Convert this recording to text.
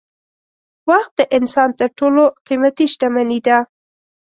وخت د انسان تر ټولو قېمتي شتمني ده.